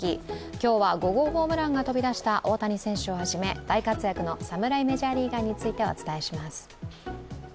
今日は５号ホームランが飛び出した大谷選手をはじめ大活躍の侍メジャーリーガーについてお伝えします。